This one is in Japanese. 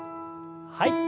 はい。